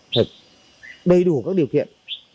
thật đầy đủ các điều kiện